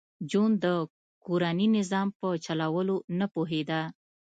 جون د کورني نظام په چلولو نه پوهېده